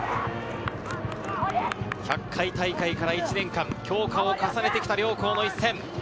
１００回大会から１年間、強化を重ねてきた両校の一戦。